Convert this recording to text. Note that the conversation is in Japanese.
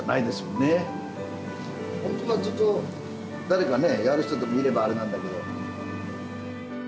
本当はずっと誰かやる人でもいればあれなんだけど。